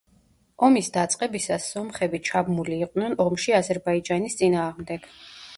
ომის დაწყებისას სომხები ჩაბმული იყვნენ ომში აზერბაიჯანის წინააღმდეგ.